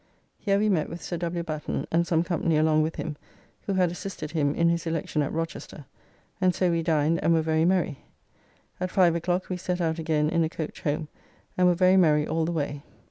Here we met with Sir W. Batten, and some company along with him, who had assisted him in his election at Rochester; and so we dined and were very merry. At 5 o'clock we set out again in a coach home, and were very merry all the way.